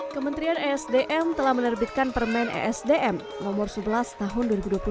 kementerian esdm telah menerbitkan permen esdm nomor sebelas tahun dua ribu dua puluh satu